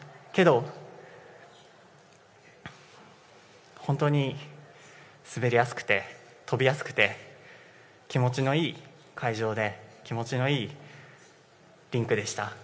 けど、本当に滑りやすくて跳びやすくて、気持ちのいい会場で気持ちのいいリンクでした。